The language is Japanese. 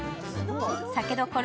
酒どころ・